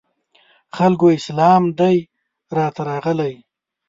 خلکو اسلام دی درته راغلی